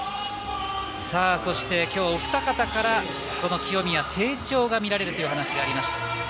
そしてお二方から清宮、成長は見られるという話がありました。